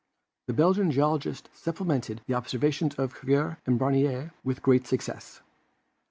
The Belgian geologist supplemented the observations of Cuvier and Brongniart with great success.